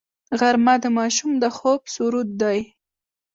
غرمه د ماشوم د خوب سرود دی